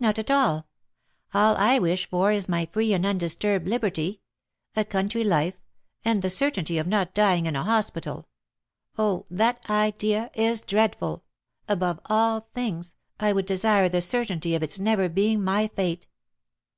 "Not at all! All I wish for is my free and undisturbed liberty, a country life, and the certainty of not dying in a hospital. Oh, that idea is dreadful! Above all things, I would desire the certainty of its never being my fate.